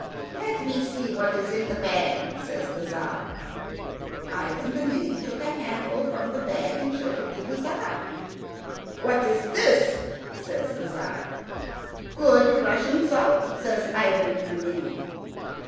"Let me see what is in the bag," says the Tzar. Ivan the Ninny took a handful from the bag and showed it to the Tzar. "What is it?" says the Tzar. "Good Russian salt," says Ivan the Ninny.